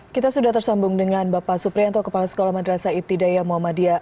kita sudah tersambung dengan bapak suprianto kepala sekolah madrasa ibtidaya muhammadiyah